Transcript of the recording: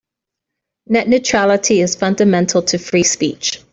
Net neutrality is fundamental to free speech.